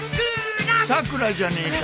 さくらじゃねえか。